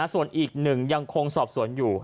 ส่วนอีกหนึ่งยังคงสอบสวนอยู่